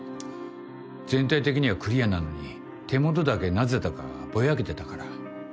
全体的にはクリアなのに手元だけなぜだかぼやけてたから。